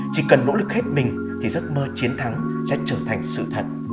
chỉ cần nỗ lực hết mình thì giấc mơ chiến thắng sẽ trở thành sự thật